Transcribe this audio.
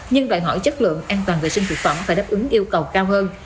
nhưng đòi hỏi chất lượng an toàn vệ sinh thực phẩm phải đáp ứng yêu cầu cao hơn